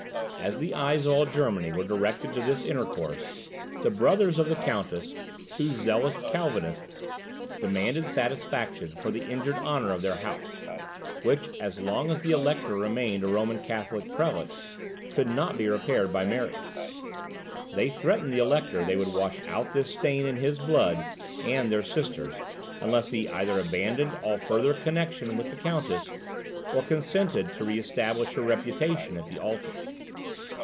As the eyes of all Germany were directed to this intercourse, the brothers of the Countess, two zealous Calvinists, demanded satisfaction for the injured honour of their house, which, as long as the elector remained a Roman Catholic prelate, could not be repaired by marriage. They threatened the elector they would wash out this stain in his blood and their sister's, unless he either abandoned all further connexion with the countess, or consented to re establish her reputation at the altar.